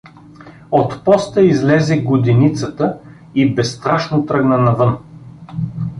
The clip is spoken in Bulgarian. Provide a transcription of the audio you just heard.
От поста излезе годеницата и безстрашно тръгна навън.